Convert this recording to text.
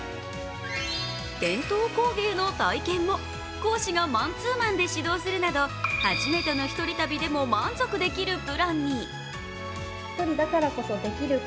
伝統工芸の体験も講師がマンツーマンで指導するなど、初めての１人旅でも満足できるプランに。